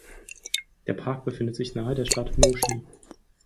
Der Park befindet sich nahe der Stadt Moshi.